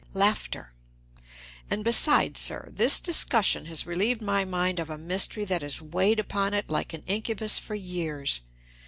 And besides, sir, this discussion has relieved my mind of a mystery that has weighed upon it like an incubus for years.